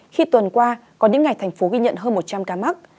khi tuần qua có những ngày thành phố ghi nhận hơn một trăm linh ca mắc